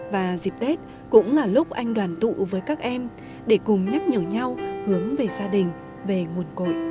và dịp tết cũng là lúc anh đoàn tụ với các em để cùng nhắc nhở nhau hướng về gia đình về nguồn cội